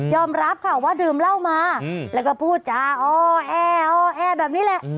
รับค่ะว่าดื่มเหล้ามาแล้วก็พูดจาอ้อแอแบบนี้แหละ